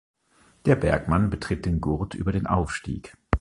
Der Bergmann betritt den Gurt über den Aufstieg.